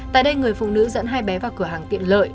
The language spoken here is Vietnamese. tại đây người phụ nữ dẫn hai bé vào cửa hàng tiện lợi